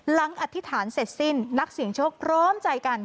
อธิษฐานเสร็จสิ้นนักเสียงโชคพร้อมใจกัน